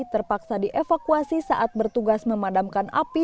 terpaksa dievakuasi saat bertugas memadamkan api